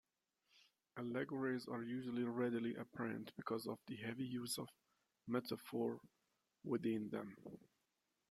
Allegories are usually readily apparent because of the heavy use of metaphor within them.